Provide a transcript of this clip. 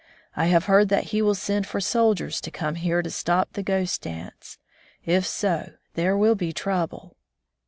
I have heard that he will send for soldiers to come here to stop the Ghost dance. If so, there will be trouble."